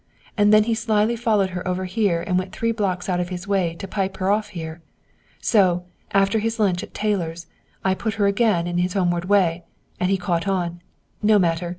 And then he slyly followed her over here and went three blocks out of his way to pipe her off here! So, after his lunch at Taylor's, I put her again onto his homeward way! And he's caught on! No matter!